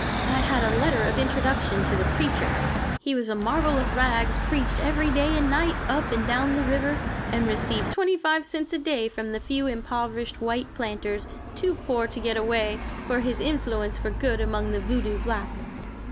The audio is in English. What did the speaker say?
I had a letter of introduction to the "preacher." He was a marvel of rags, preached every day and night, up and down the river, and received 25 cents a day from the few impoverished white planters, too poor to get away, for his influence for good among the voodoo blacks.